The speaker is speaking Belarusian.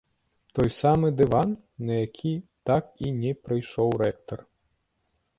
Той самы дыван, на які так і не прыйшоў рэктар.